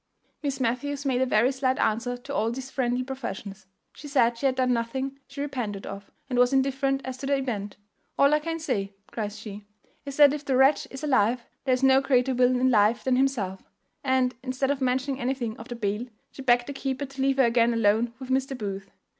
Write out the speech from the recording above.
Miss Matthews made a very slight answer to all these friendly professions. She said she had done nothing she repented of, and was indifferent as to the event. "All I can say," cries she, "is, that if the wretch is alive there is no greater villain in life than himself;" and, instead of mentioning anything of the bail, she begged the keeper to leave her again alone with Mr. Booth.